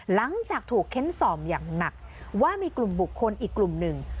หลังจากถูกเค้นสอบอย่างหนักว่ามีกลุ่มบุคคลอีกกลุ่มหนึ่ง